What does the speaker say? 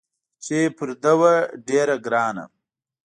چې پر ده وه ډېره ګرانه